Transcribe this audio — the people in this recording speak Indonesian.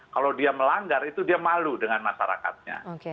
kalau dia melanggar itu dia malu dengan masyarakatnya